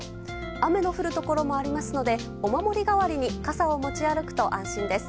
雨の降るところもありますのでお守り代わりに傘を持ち歩くと安心です。